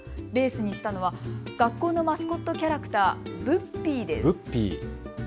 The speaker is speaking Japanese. ベースにしたのは学校のマスコットキャラクターブッピーです。